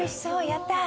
やったー！